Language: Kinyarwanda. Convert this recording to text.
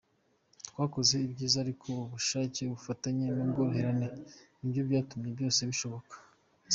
Twakoze ibyiza ariko ubushake, ubufatanye n’ubworoherane nibyo byatumye byose bishoboka.